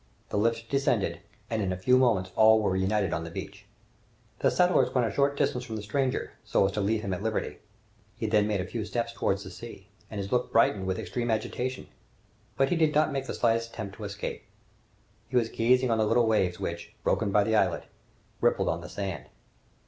The lift descended, and in a few moments all were united on the beach. The settlers went a short distance from the stranger, so as to leave him at liberty. He then made a few steps toward the sea, and his look brightened with extreme animation, but he did not make the slightest attempt to escape. He was gazing at the little waves which, broken by the islet, rippled on the sand.